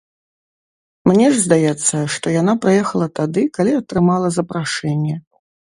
Мне ж здаецца, што яна прыехала тады, калі атрымала запрашэнне.